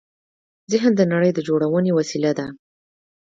ذهن د نړۍ د جوړونې وسیله ده.